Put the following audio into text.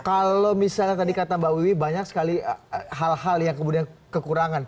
kalau misalnya tadi kata mbak wiwi banyak sekali hal hal yang kemudian kekurangan